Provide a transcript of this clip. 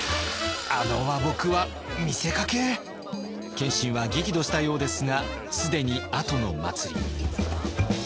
謙信は激怒したようですが既に後の祭り。